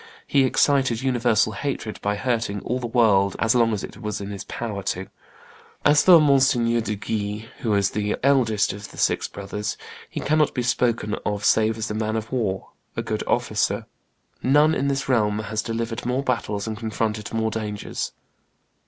He excited universal hatred by hurting all the world as long as it was in his power to. As for Mgr. de Guise, who is the eldest of the six brothers, he cannot be spoken of save as a man of war, a good officer. None in this realm has delivered more battles and confronted more dangers.